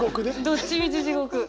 どっちみち地獄。